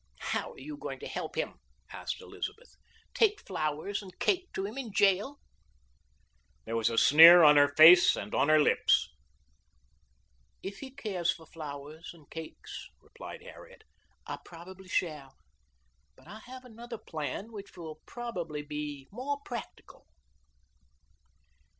"How are you going to help him?" asked Elizabeth. "Take flowers and cake to him in jail?" There was a sneer on her face and on her lips. "If he cares for flowers and cakes," replied Harriet, "I probably shall; but I have another plan which will probably be more practical."